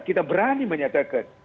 kita berani menyatakan